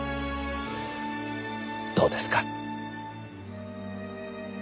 どうですか？